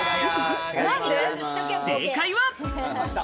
正解は。